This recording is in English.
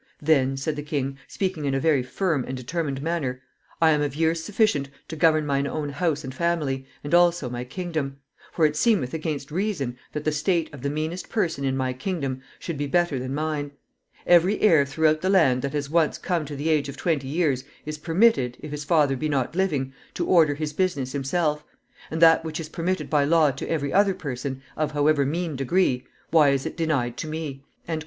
"Then," said the king, speaking in a very firm and determined manner, "I am of years sufficient to govern mine own house and family, and also my kingdom; for it seemeth against reason that the state of the meanest person in my kingdom should be better than mine. Every heir throughout the land that has once come to the age of twenty years is permitted, if his father be not living, to order his business himself. And that which is permitted by law to every other person, of however mean degree, why is it denied to me?"